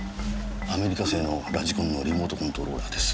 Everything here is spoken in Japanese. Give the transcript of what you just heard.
アメリカ製のラジコンのリモート・コントローラーです。